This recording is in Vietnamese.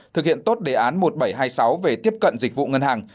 thực hiện tốt đề án một nghìn bảy trăm hai mươi sáu về tiếp cận dịch vụ ngân hàng